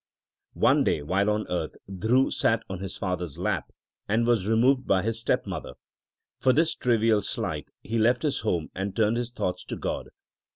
One day while on earth Dhru sat on his father s lap, and was removed by his step mother. For this trivial slight he left his home and turned his thoughts to God.